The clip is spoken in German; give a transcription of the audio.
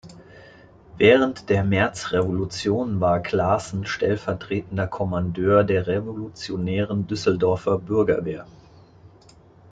Während der Märzrevolution war Clasen stellvertretender Kommandeur der revolutionären Düsseldorfer Bürgerwehr.